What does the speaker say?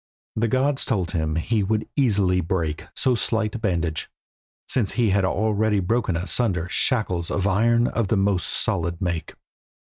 The gods told him he would easily break so slight a bandage, since he had already broken asunder shackles of iron of the most solid make.